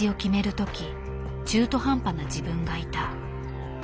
時中途半端な自分がいた。